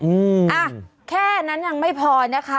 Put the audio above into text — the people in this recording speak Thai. อืมอ่ะแค่นั้นยังไม่พอนะคะ